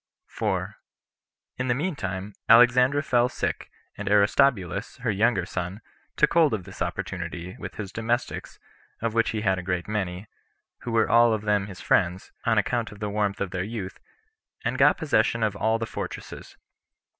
4. In the mean time, Alexandra fell sick, and Aristobulus, her younger son, took hold of this opportunity, with his domestics, of which he had a great many, who were all of them his friends, on account of the warmth of their youth, and got possession of all the fortresses.